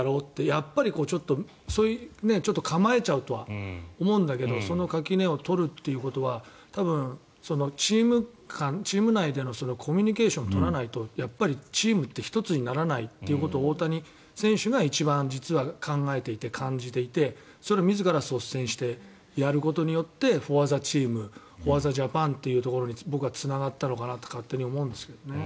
やっぱりちょっと構えちゃうとは思うんだけどその垣根を取るということはチーム内でのコミュニケーションを取らないとチームって一つにならないということを大谷選手が一番実は考えていて、感じていてそれを自ら率先してやることによってフォア・ザ・チームフォア・ザ・ジャパンというところに僕はつながったのかなと勝手に思うんですけどね。